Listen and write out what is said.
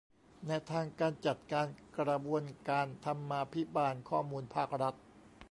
แนวทางการจัดการกระบวนการธรรมาภิบาลข้อมูลภาครัฐ